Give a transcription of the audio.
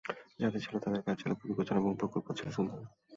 যাদের ছিল, তাদের কাজ ছিল খুবই গোছানো এবং প্রকল্পও ছিল সুন্দর।